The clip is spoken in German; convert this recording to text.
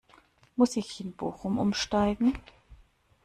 Muss ich in Bochum umsteigen?